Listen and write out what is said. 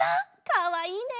かわいいね。